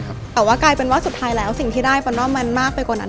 แต่ว่ากลายเป็นว่าสุดท้ายแล้วสิ่งที่ได้ฟอนอลมันมากไปกว่านั้น